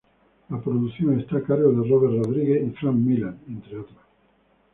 La producción está a cargo de Robert Rodriguez y Frank Miller, entre otros.